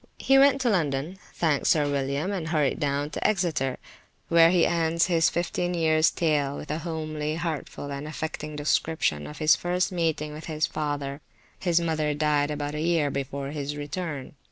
He went to London, thanked Sir William, and hurried down to Exeter, where he ends his fifteen years tale with a homely, heartful and affecting description of his first meeting with his father. His mother died about a year before his return.